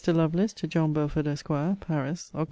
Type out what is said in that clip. LOVELACE, TO JOHN BELFORD, ESQ. PARIS, OCT.